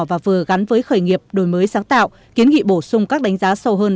và vừa gắn với khởi nghiệp đổi mới sáng tạo kiến nghị bổ sung các đánh giá sâu hơn